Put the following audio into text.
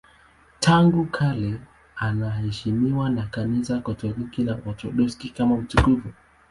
Tangu kale anaheshimiwa na Kanisa Katoliki na Waorthodoksi kama mtakatifu.